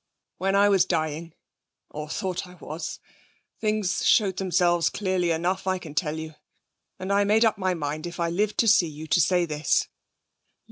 When I was dying, or thought I was, things showed themselves clearly enough, I can tell you. And I made up my mind if I lived to see you, to say this.